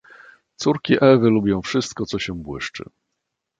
"Córki Ewy lubią wszystko co się błyszczy."